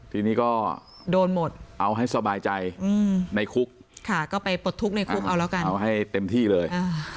ทีนี้ก็เอาให้สบายใจในคุกเอาให้เต็มที่เลย